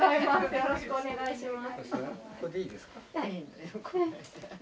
よろしくお願いします。